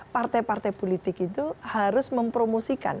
partai partai politik itu harus mempromosikan